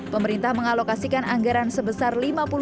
pemerintah mengalokasikan anggaran sebesar